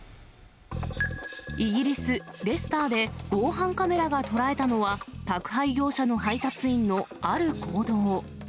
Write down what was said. イギリス・レスターで防犯カメラが捉えたのは、宅配業者の配達員のある行動。